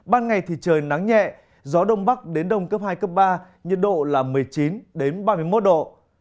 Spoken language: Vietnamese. ban ngày thì trời nắng nhẹ gió đông bắc đến đông cấp hai cấp ba nhiệt độ là một mươi chín ba mươi một độ